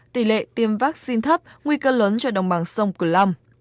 tỷ lệ tiêm vaccine thấp nguy cơ lớn cho đồng bằng sông cửu lâm